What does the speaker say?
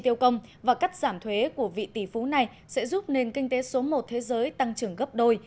tiêu công và cắt giảm thuế của vị tỷ phú này sẽ giúp nền kinh tế số một thế giới tăng trưởng gấp đôi